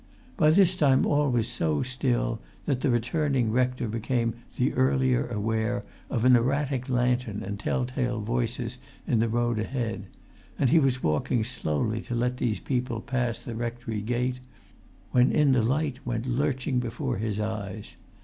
By this time all was so still that the returning rector became the earlier aware of an erratic lantern and tell tale voices in the road ahead; and he was walking slowly to let these people pass the rectory gate, when in the light went lurching before his eyes.